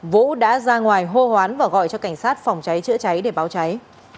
vũ đã ra ngoài hô hoán và gọi cho cảnh sát phòng cháy chữa cháy để báo cháy